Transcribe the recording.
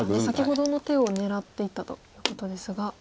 先ほどの手を狙っていったということですが。